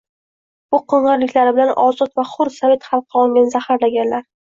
Bu qing‘irliklari bilan «ozod va hur» sovet xalqi ongini zaharlaganlar.